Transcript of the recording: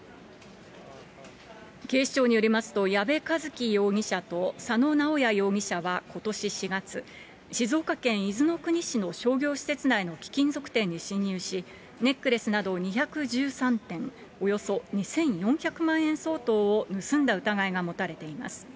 警視庁によりますと、矢部和希容疑者と佐野直也容疑者はことし４月、静岡県伊豆の国市の商業施設内の貴金属店に侵入し、ネックレスなど２１３点、およそ２４００万円相当を盗んだ疑いが持たれています。